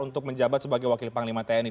untuk menjabat sebagai wakil panglima tni